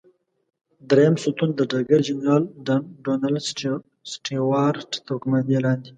دریم ستون د ډګر جنرال ډانلډ سټیوارټ تر قوماندې لاندې.